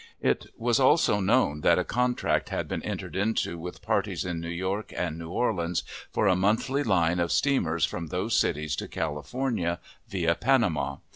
It was also known that a contract had been entered into with parties in New York and New Orleans for a monthly line of steamers from those cities to California, via Panama.